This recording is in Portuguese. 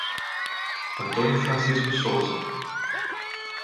Antônio Francisco Souza